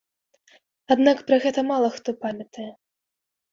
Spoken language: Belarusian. Аднак пра гэта мала хто памятае.